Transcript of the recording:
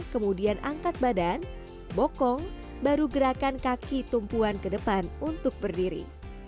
kemudian angkat badan bokong baru gerakan kaki tumpuan ke depan untuk berdiri